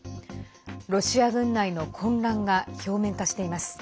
ロシア軍内の混乱が表面化しています。